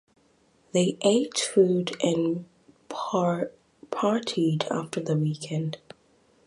They ate food and partied after the wedding.